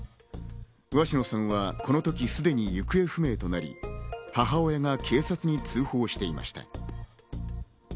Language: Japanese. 鷲野さんは、この時、すでに行方不明となり、母親が警察に通報していました。